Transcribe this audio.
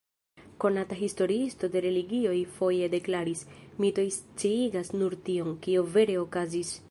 Konata historiisto de religioj foje deklaris: "Mitoj sciigas nur tion, kio vere okazis.